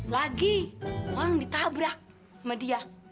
lagi uang ditabrak sama dia